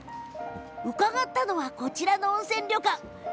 伺ったのは、こちらの温泉旅館。